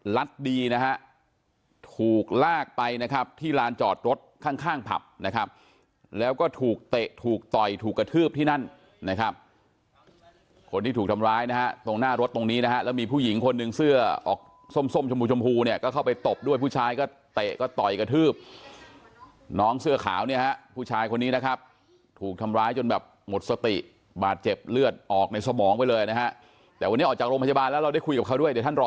ลัดดีนะฮะถูกลากไปนะครับที่ลานจอดรถข้างผับนะครับแล้วก็ถูกเตะถูกต่อยถูกกระทืบที่นั่นนะครับคนที่ถูกทำร้ายนะฮะตรงหน้ารถตรงนี้นะฮะแล้วมีผู้หญิงคนหนึ่งเสื้อออกส้มชมพูเนี่ยก็เข้าไปตบด้วยผู้ชายก็เตะก็ต่อยกระทืบน้องเสื้อขาวเนี่ยผู้ชายคนนี้นะครับถูกทำร้ายจนแบบหมดสติบาดเจ็บเลือดอ